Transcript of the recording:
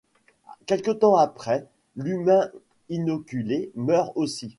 Quelque temps après, l'humain inoculé meurt aussi.